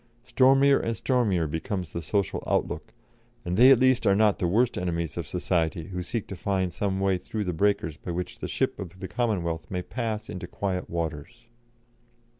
Stormier and stormier becomes the social outlook, and they at least are not the worst enemies of Society who seek to find some way through the breakers by which the ship of the Commonwealth may pass into quiet waters."